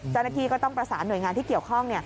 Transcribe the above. เจ้าหน้าที่ก็ต้องประสานหน่วยงานที่เกี่ยวข้อง